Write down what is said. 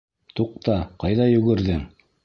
Туҡта, ҡайҙа йүгерҙең?